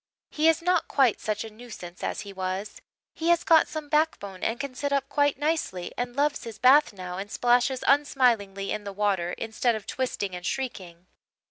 He is not quite such a nuisance as he was; he has got some backbone and can sit up quite nicely, and he loves his bath now and splashes unsmilingly in the water instead of twisting and shrieking.